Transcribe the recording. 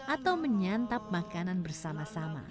atau menyantap makanan bersama sama